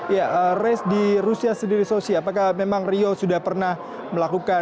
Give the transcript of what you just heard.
ya race di rusia sendiri sosi apakah memang rio sudah pernah melakukan